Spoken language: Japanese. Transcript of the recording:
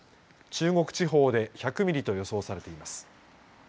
中国地方で１００ミリと予想されています。